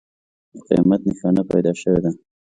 د قیامت نښانه پیدا شوې ده.